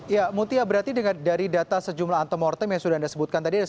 ya mutia berarti dari data sejumlah antemortem yang sudah anda sebutkan tadi